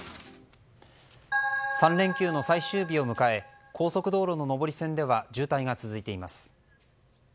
３連休の最終日を迎え高速道路の上り線では渋滞が続いています。